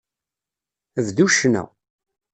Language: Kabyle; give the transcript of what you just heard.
Bdu ccna.